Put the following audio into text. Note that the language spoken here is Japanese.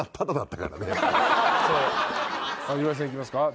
岩井さんいきますか。